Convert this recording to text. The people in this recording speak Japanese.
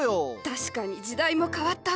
確かに時代も変わった。